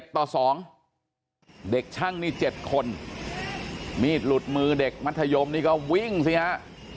ต่อ๒เด็กช่างนี่๗คนมีดหลุดมือเด็กมัธยมนี่ก็วิ่งสิฮะ